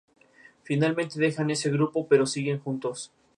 La bahía es la única entrada y posible lugar de desembarco en la isla.